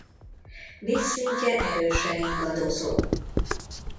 Vízszintje erősen ingadozó.